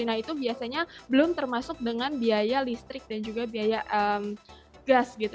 nah itu biasanya belum termasuk dengan biaya listrik dan juga biaya gas gitu